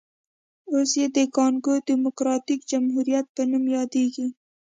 اوس یې د کانګو ډیموکراټیک جمهوریت په نوم یادوي.